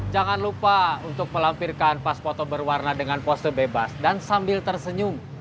jangan lupa untuk melampirkan paspoto berwarna dengan pose bebas dan sambil tersenyum